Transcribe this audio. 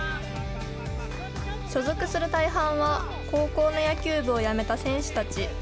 所属する大半は、高校の野球部を辞めた選手たち。